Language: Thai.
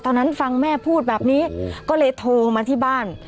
ตอนนั้นฟังแม่พูดแบบนี้ก็เลยโทรมาที่บ้าน